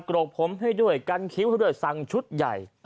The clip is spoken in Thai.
กรกผมให้ด้วยกันคิ้วให้ด้วยสั่งชุดใหญ่